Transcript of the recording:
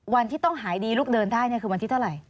วันที่ต้องหายดีลูกเดินได้คือวันที่เท่าไหร่